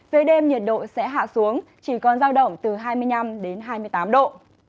về đêm nhiệt độ sẽ hạ xuống chỉ còn giao động từ hai mươi năm đến hai mươi tám độ